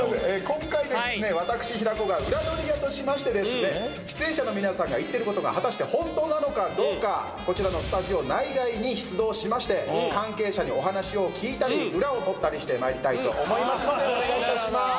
今回私平子が裏どり屋としまして出演者の皆さんが言ってることが果たしてホントなのかどうかこちらのスタジオ内外に出動しまして関係者にお話を聞いたり裏をとったりしてまいりたいと思いますのでお願いいたします。